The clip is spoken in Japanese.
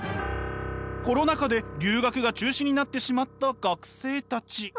コロナ禍で留学が中止になってしまった学生たち。